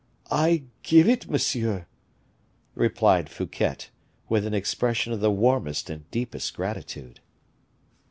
"I give it, monsieur," replied Fouquet, with an expression of the warmest and deepest gratitude.